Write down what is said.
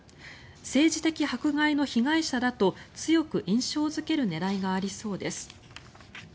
政治的迫害の被害者だと強く印象付ける狙いがありそうです。